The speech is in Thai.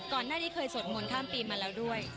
ก่อนหน้านี้เคยสวดมนต์ข้ามปีมาแล้วด้วย